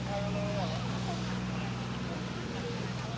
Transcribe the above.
สวัสดีครับทุกคน